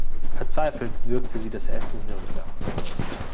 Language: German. Verzweifelt würgte sie das Essen hinunter.